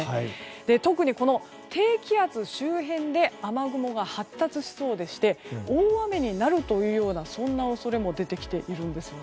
特に、この低気圧周辺で雨雲が発達しそうでして大雨になるというような恐れも出てきているんです。